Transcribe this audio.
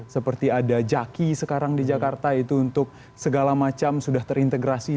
seperti ada jaki sekarang di jakarta itu untuk segala macam sudah terintegrasi